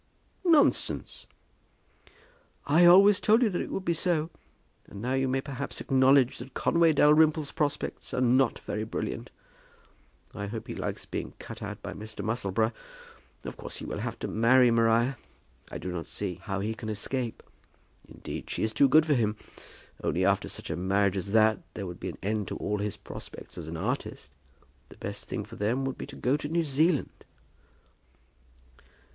"Nonsense!" "I always told you that it would be so. And now you may perhaps acknowledge that Conway Dalrymple's prospects are not very brilliant. I hope he likes being cut out by Mr. Musselboro! Of course he will have to marry Maria. I do not see how he can escape. Indeed, she is too good for him; only after such a marriage as that, there would be an end to all his prospects as an artist. The best thing for them would be to go to New Zealand."